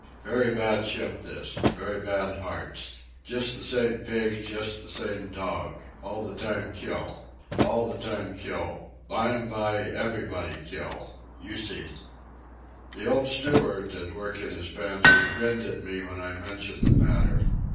"Very bad ship this. Very bad hearts. Just the same pig, just the same dog. All the time kill. All the time kill. Bime by everybody kill. You see." The old steward, at work in his pantry, grinned at me when I mentioned the matter.